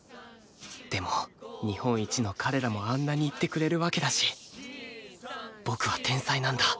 でも日本一の彼らもあんなに言ってくれるわけだし僕は天才なんだ。